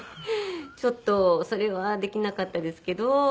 ちょっとそれはできなかったですけど。